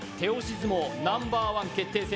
相撲ナンバーワン決定戦。